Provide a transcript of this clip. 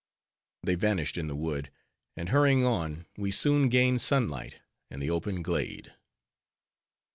They vanished in the wood; and hurrying on, we soon gained sun light, and the open glade.